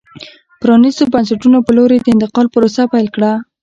پرانیستو بنسټونو په لور یې د انتقال پروسه پیل کړه.